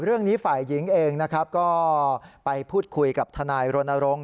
เรื่องนี้ฝ่ายหญิงเองก็ไปพูดคุยกับทนายโรนโรง